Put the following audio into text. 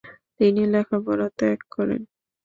তিনি লেখাপড়া ত্যাগ করেন।